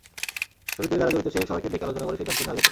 শুরুতে যাঁরা জড়িত ছিলেন, সবাইকে ডেকে আলোচনা করে সিদ্ধান্ত নেওয়া যেত।